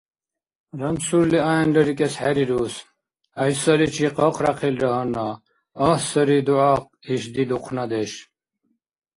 Рамсурли ахӀенририкӀес хӀерирус. ГӀяйсаличи хъаряхъилра гьанна. Агь, сари дугӀахъ, ишди духънадеш!